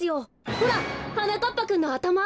ほらはなかっぱくんのあたま。